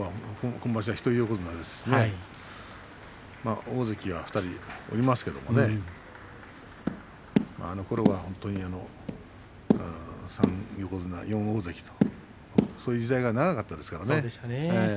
今場所は一人横綱ですしね大関は２人おりますけれどもあのころは本当に３横綱４大関とそういう時代が長かったですからね。